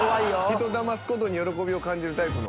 人をだます事に喜びを感じるタイプの。